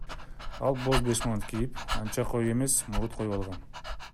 Ал боз бешмант кийип, анча коюу эмес мурут коюп алган.